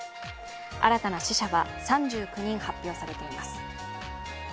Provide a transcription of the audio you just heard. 新たな死者は３９人発表されています。